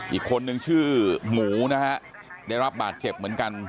อีกคนนึงชื่อหมูนะฮะได้รับบาดเจ็บเหมือนกัน